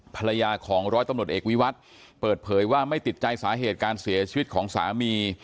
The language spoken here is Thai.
ภรรยาของร้อยตำรวจเอกวิวัตรเปิดเผยว่าไม่ติดใจสาเหตุการเสียชีวิตของสามี